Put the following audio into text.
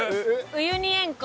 ウユニ塩湖。